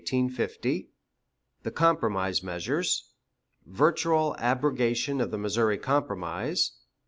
The Session of 1849 '50. The Compromise Measures. Virtual Abrogation of the Missouri Compromise.